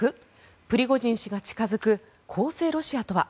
プリゴジン氏が近付く公正ロシアとは。